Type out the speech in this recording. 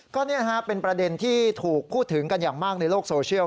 ก็เป็นประเด็นที่ถูกพูดถึงกันอย่างมากในโลกโซเชียล